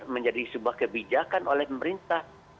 menjadi sebuah kebijakan oleh pemerintah